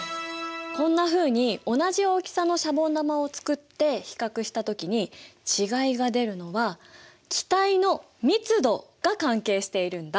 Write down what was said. こんなふうに同じ大きさのシャボン玉を作って比較したときに違いが出るのは気体の密度が関係しているんだ！